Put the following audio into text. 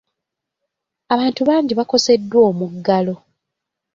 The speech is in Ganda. Abantu bangi bakoseddwa omuggalo.